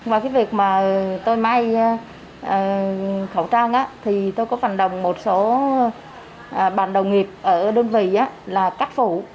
và cái việc mà tôi may khẩu trang thì tôi có phần đồng một số bạn đồng nghiệp ở đơn vị là cắt phụ